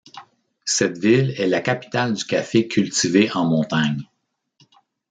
Cette ville est la capitale du café cultivé en montagne.